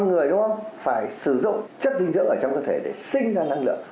nó phải sử dụng chất dinh dưỡng ở trong cơ thể để sinh ra năng lượng